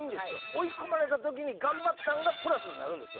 追い込まれたときに頑張ったんがプラスになるんですよ。